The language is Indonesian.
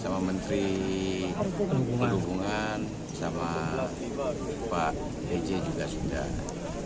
sama menteri perhubungan sama pak eje juga sudah